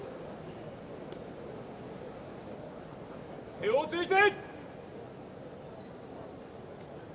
手をついて。